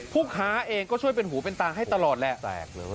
พวกค้าเองก็ช่วยเป็นหูเป็นตางให้ตลอดแหละโอ้แจกเลย